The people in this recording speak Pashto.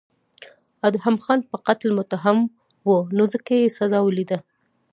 ادهم خان په قتل متهم و نو ځکه یې سزا ولیده.